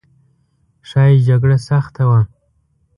ښایي جګړه سخته وه.